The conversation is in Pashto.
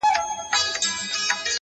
پوهه د شک پر ځای وضاحت راولي